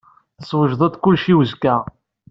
Teswejded-d kullec i uzekka?